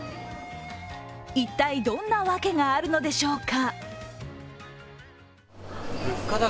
一体どんな訳があるのでしょうか？